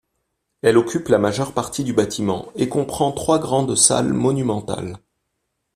Elle occupe la majeure partie du bâtiment et comprend trois grandes salles monumentales.